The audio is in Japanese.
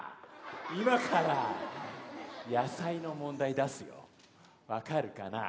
今から野菜の問題出すよ。分かるかな。